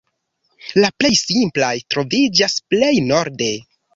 La plej simplaj troviĝas plej norde.